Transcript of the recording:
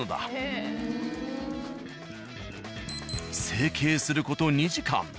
成形する事２時間。